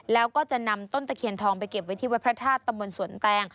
แล้วก็จะนำต้นตะเคียนทองไปเก็บไว้ที่วัดพระธาตุตำบลสวนแตง